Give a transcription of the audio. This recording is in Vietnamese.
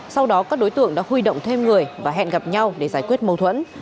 sau đó các đối tượng đã huy động thêm người và hẹn gặp nhau để giải quyết mâu thuẫn